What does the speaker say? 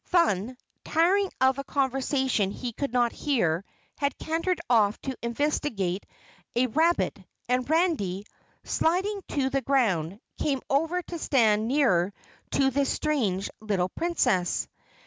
Thun, tiring of a conversation he could not hear, had cantered off to investigate a rabbit, and Randy, sliding to the ground, came over to stand nearer to this strange little Princess.